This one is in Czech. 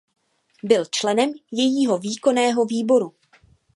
Byl členem jejího výkonného výboru.